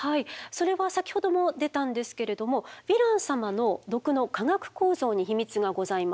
それは先ほども出たんですけれどもヴィラン様の毒の化学構造に秘密がございます。